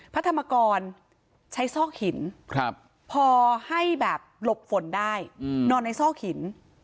พระธรรมกรใช้ซอกหินพอให้แบบหลบฝนได้นอนในซอกหิน